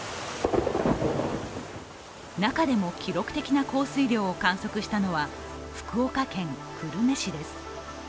中でも記録的な降水量を観測したのは、福岡県久留米市です。